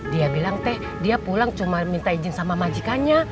dia bilang teh dia pulang cuma minta izin sama majikannya